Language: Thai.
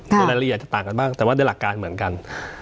ในรายละเอียดจะต่างกันบ้างแต่ว่าด้วยหลักการเหมือนกัน